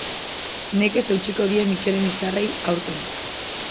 Nekez eutsiko die Michelinen izarrei aurten.